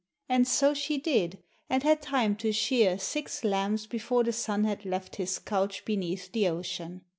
And so she did, and had time to shear six lambs before the Sun had left his couch beneath the ocean.